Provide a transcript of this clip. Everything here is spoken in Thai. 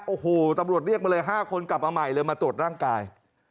โอ้โหตำรวจเรียกมาเลย๕คนกลับมาใหม่เลยมาตรวจร่างกาย